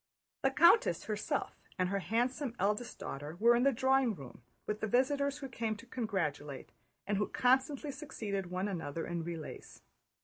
The countess herself and her handsome eldest daughter were in the drawing room with the visitors who came to congratulate, and who constantly succeeded one another in relays.